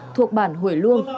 thuộc bản hủy luông